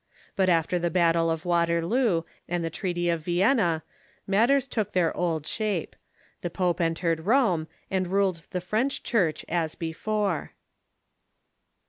But after the battle of Waterloo and the treaty of Vienna matters took their old shape. The pope entered Rome and ruled the French Church as before.